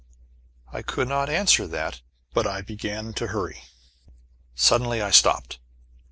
I could not answer that, but I began to hurry. Suddenly I stopped.